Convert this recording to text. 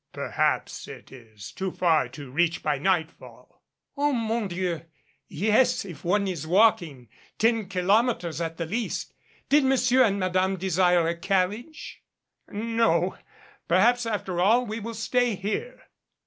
"Perhaps it is too far to reach by nightfall." "Oh, mon Dieu, yes if one is walking ten kilometers at the least. Did Monsieur and Madame desire a car riage 'r"' "No, perhaps after all we will stay here."